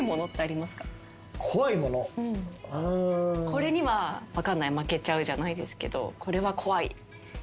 これには負けちゃうじゃないですけどこれは怖い。